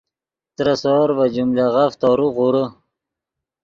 ترے سور ڤے جملغف تورو غورے